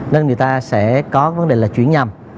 nên người ta sẽ có vấn đề là chuyển nhầm